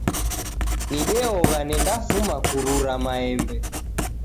Nideogha nendafuma kurura maembe.